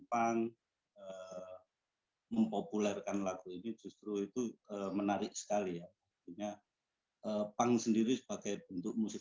pang mempopulerkan lagu ini justru itu menarik sekali ya artinya pang sendiri sebagai bentuk musik